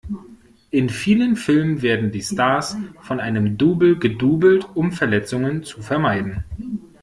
In vielen Filmen werden die Stars von einem Double gedoublet um Verletzungen zu vermeiden.